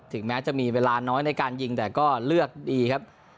แม้จะมีเวลาน้อยในการยิงแต่ก็เลือกดีครับ